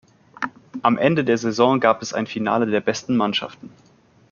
Am Ende der Saison gab es ein Finale der besten Mannschaften.